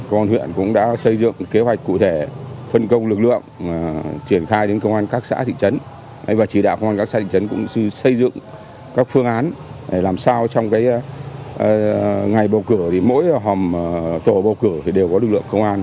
các hồng chí cũng đã xây dựng kế hoạch cụ thể phân công lực lượng triển khai đến công an các xã thị trấn và chỉ đạo công an các xã thị trấn cũng xây dựng các phương án để làm sao trong cái ngày bầu cử thì mỗi hòm tổ bầu cử thì đều có lực lượng công an